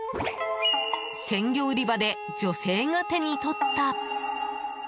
鮮魚売り場で女性が手に取った。